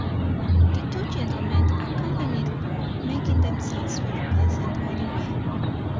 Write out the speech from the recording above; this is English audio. The two gentlemen accompanied her, making themselves very pleasant by the way.